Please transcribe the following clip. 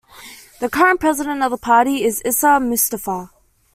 The current president of the party is Isa Mustafa.